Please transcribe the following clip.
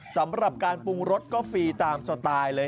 สำหรับการปรุงรสก็ฟรีตามสไตล์เลย